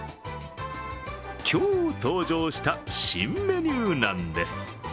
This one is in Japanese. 今日、登場した新メニューなんです